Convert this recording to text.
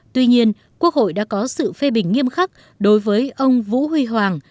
tuy nhiên quốc hội đã có sự phê bình nghiêm khắc đối với ông vũ huy hoàng